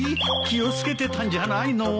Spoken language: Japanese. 気を付けてたんじゃないの？